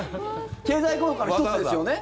経済効果の１つですよね。